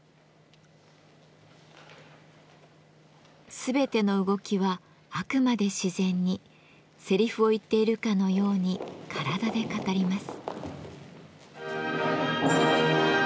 全ての動きはあくまで自然にセリフを言っているかのように体で語ります。